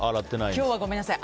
今日はごめんなさい。